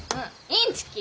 インチキ！